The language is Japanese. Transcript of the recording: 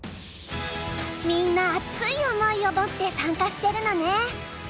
みんな熱い思いを持って参加してるのね。